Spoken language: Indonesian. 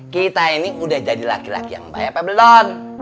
kita ini udah jadi laki laki yang baik apa belum